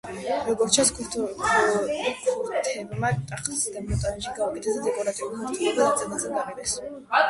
როგორც ჩანს, ქურთებმა ტახტს დემონტაჟი გაუკეთეს და დეკორატიული მორთულობა ნაწილ-ნაწილ გაყიდეს.